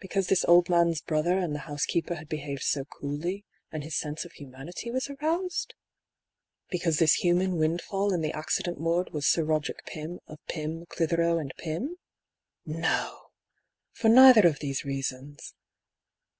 Because this old man's brother and the housekeeper had behaved so coolly, and his sense of humanity was aroused ? Because this human wind fall in the accident ward was Sir Roderick Pym, of Pym, Clithero & Pym ? No ! for neither of these rea sons.